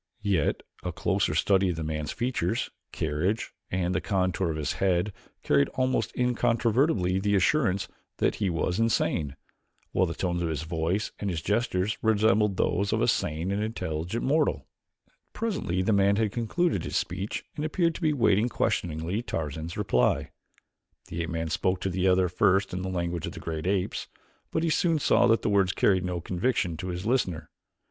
Yet a closer study of the man's features, carriage, and the contour of his head carried almost incontrovertibly the assurance that he was insane, while the tones of his voice and his gestures resembled those of a sane and intelligent mortal. Presently the man had concluded his speech and appeared to be waiting questioningly Tarzan's reply. The ape man spoke to the other first in the language of the great apes, but he soon saw that the words carried no conviction to his listener.